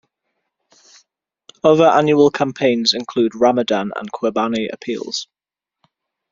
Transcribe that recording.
Other annual campaigns include Ramadan and Qurbani appeals.